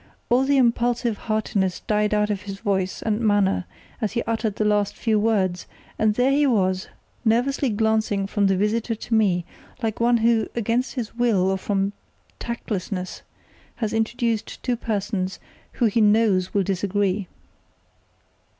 All the impulsive heartiness died out of his voice and manner as he uttered the last few words, and there he was, nervously glancing from the visitor to me, like one who, against his will or from tactlessness, has introduced two persons who he knows will disagree.